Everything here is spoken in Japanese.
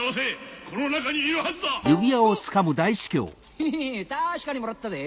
ヘヘヘ確かにもらったぜ！